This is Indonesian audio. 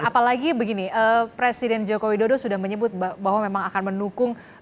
apalagi begini presiden joko widodo sudah menyebut bahwa memang akan mendukung